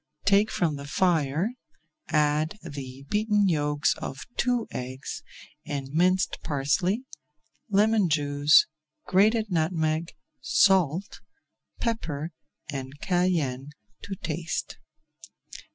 Take from the fire, add the beaten yolks of two eggs, and minced parsley, lemon juice, grated nutmeg, salt, pepper, and cayenne to taste.